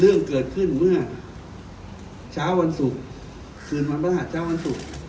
เรื่องเกิดขึ้นเมื่อเช้าวันศุกร์คืนวันพระหัสเช้าวันศุกร์